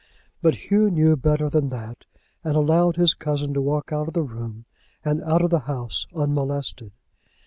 But Hugh knew better than that, and allowed his cousin to walk out of the room, and out of the house, unmolested.